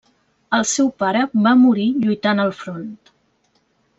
El seu pare va morir lluitant al front.